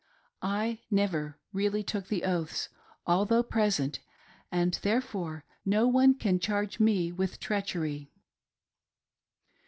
I NEVER really took the oaths, although present, and therefore no one can charge me with treachery.